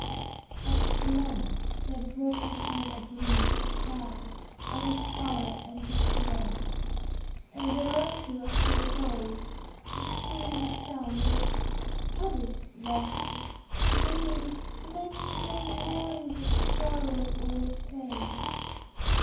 At length there broke in upon my dreams a cry as of horror and dismay; and thereunto, after a pause, succeeded the sound of troubled voices, intermingled with many low moanings of sorrow or of pain.